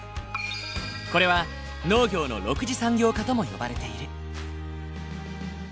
これは農業の６次産業化とも呼ばれている。